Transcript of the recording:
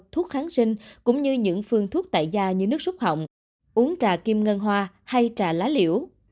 thuốc kháng sinh cũng như những phương thuốc tại da như nước xúc hỏng uống trà kim ngân hoa hay trà lá liễu